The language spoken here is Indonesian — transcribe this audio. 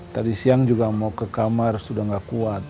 tadi siang juga mau ke kamar sudah tidak kuat